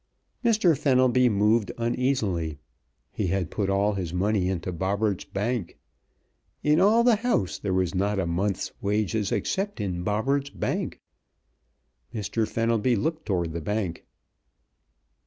Mr. Fenelby moved uneasily. He had put all his money into Bobberts' bank. In all the house there was not a month's wages except in Bobberts' bank. Mr. Fenelby looked toward the bank.